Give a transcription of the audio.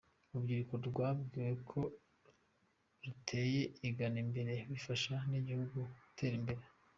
Urubyiruko rwabwiwe ko ruteye igana imbere bifasha n’igihugu gutera imbere.